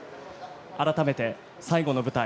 改めて、最後の舞台